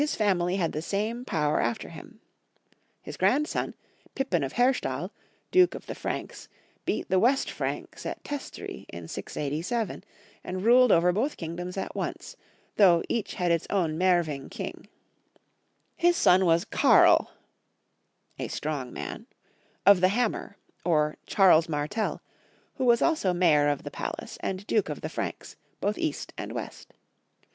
family had the same power after him. His grandson, Pippin of Herstall, Duke of the Franks, beat the West Franks at Testri in 687, * A pet name for father. 56 Young Folks SiBtory of Germany. and ruled over both kingdoms at once, though each had its own Meerwing king. His son was Karl* of the Hammer, or Charles Martel, who was also Mayor of the Palace and Duke of the Franks, both East and West.